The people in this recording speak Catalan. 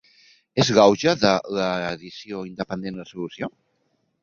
És l’auge de l’edició independent la solució?